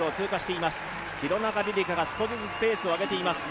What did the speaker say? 廣中璃梨佳が少しずつペースを上げています。